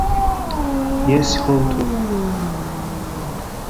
Jes, hontu!